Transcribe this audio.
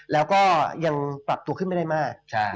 แล้วก็ยังปรับตัวขึ้นไม่ได้มาก